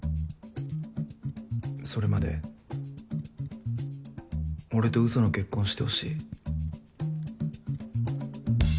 それまで俺とうその結婚してほしい。